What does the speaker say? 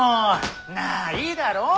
なあいいだろう？